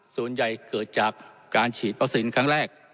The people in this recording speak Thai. ส่วนใหญ่เกิดจากการฉีดวัคซีนครั้งแรก